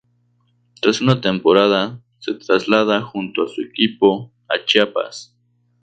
Tras una temporada, se traslada junto a su equipo a Chiapas.